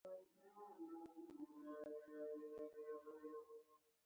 سیاستوالو مو اردن له جګړو لرې ساتلی.